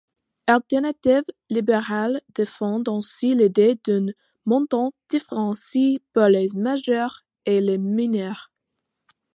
Alternative libérale défend ainsi l'idée d'un montant différencié pour les majeurs et les mineurs.